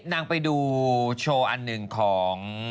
นางไปดูโชว์อันหนึ่งของ